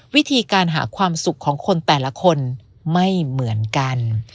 วิธีการหาความสุขของคนแต่ละคนไม่เหมือนกัน